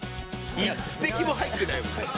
１滴も入ってないよね。